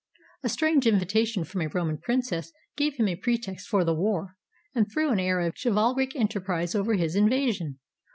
... A strange invitation from a Roman princess gave him a pretext for the war, and threw an air of chivalric enterprise over his invasion.